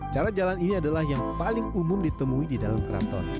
cara jalan ini adalah yang paling umum ditemui di dalam keraton